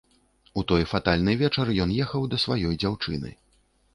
У той фатальны вечар ён ехаў да сваёй дзяўчыны.